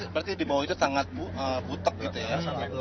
berarti di bawah itu sangat butek gitu ya